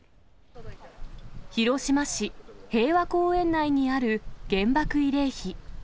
広島市平和公園内にある原爆慰霊碑。